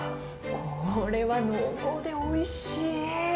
これは濃厚でおいしい。